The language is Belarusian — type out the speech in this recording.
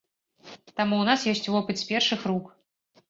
Таму ў нас ёсць вопыт з першых рук.